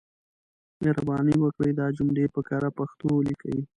مهرباني وکړئ دا جملې په کره پښتو ليکئ.